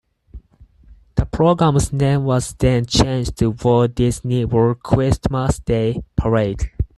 The program's name was then changed to Walt Disney World Christmas Day Parade.